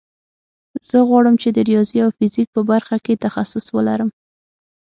زه غواړم چې د ریاضي او فزیک په برخه کې تخصص ولرم